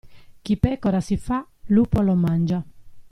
Chi pecora si fa , lupo lo mangia.